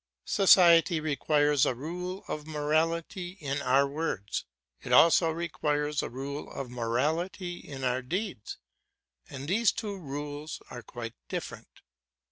Society requires a rule of morality in our words; it also requires a rule of morality in our deeds; and these two rules are quite different.